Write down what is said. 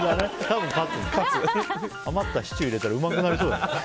余ったシチュー入れたらうまくなりそう。